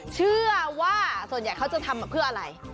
เชื่อว่าส่วนใหญ่เขาจะทำมาเพื่ออะไร